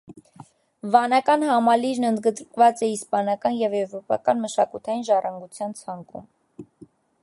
Վանական համալիրն ընդգրկված է իսպանական և եվրոպական մշակութային ժառանգության ցանկում։